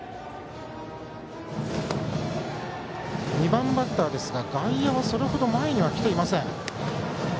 ２番バッターですが外野はそれほど前には来ていません。